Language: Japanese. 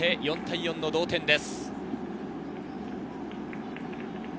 ４対４の同点です。